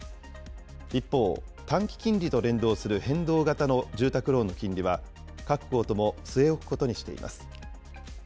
一方、短期金利と連動する変動型の住宅ローンの金利は、各行とも据え置くことにしています。